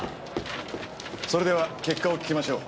それでは結果を聞きましょう。